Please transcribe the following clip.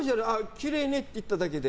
きれいねって言っただけで。